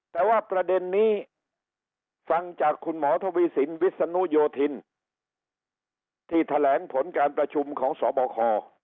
แต่ว่าประเด็นนี้ฟังจากคุณหมอทวีสินวิศนุโยธินที่แถลงผลการประชุมของสบค